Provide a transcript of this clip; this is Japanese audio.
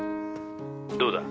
「どうだ？」